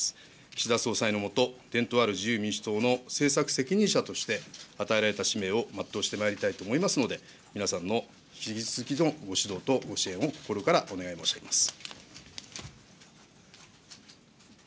岸田総裁の下、伝統ある自由民主党の政策責任者として、与えられた使命を全うしてまいりたいと思いますので、皆さんの引き続きのご指導とご支援を心からお願い申し上げます。